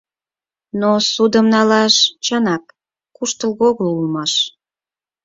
Но ссудым налаш чынак куштылго огыл улмаш.